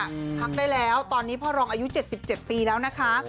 พักได้แล้วตอนนี้พ่อรองอายุ๗๗ปีแล้วนะคะ